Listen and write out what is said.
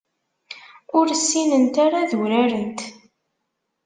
Ur ssinent ara ad urarent.